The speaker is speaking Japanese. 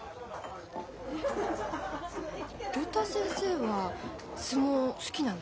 竜太先生は相撲好きなの？